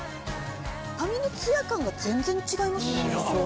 髪のツヤ感が全然違いますね。